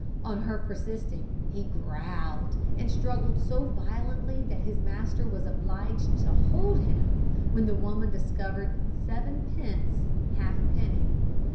On her persisting, he growled, and struggled so violently that his master was obliged to hold him, when the woman discovered sevenpence halfpenny.